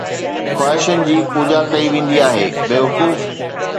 خواهشن جي پوڄا ڪئي ويندي آهي ’بيوقوف‘